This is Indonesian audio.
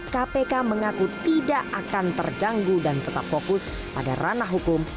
kpk mengaku tidak akan terganggu dan tetap fokus pada ranah hukum